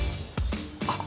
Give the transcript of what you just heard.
あっ。